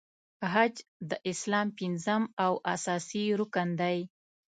حج د اسلام پنځم او اساسې رکن دی .